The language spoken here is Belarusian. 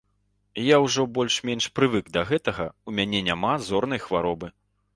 Я ўжо больш-менш прывык да гэтага, у мяне няма зорнай хваробы.